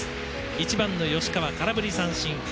１番の吉川、空振り三振。